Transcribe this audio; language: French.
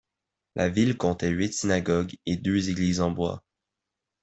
La ville comptait huit synagogues et deux églises en bois.